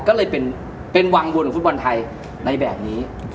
ก็เลยเป็นวังวลของฟุตบอลไทยในแบบนี้